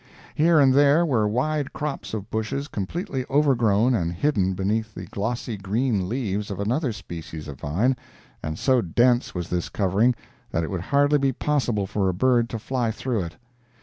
Here and there were wide crops of bushes completely overgrown and hidden beneath the glossy green leaves of another species of vine, and so dense was this covering that it would hardly be possible for a bird to fly through it.